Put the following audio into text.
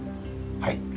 はい。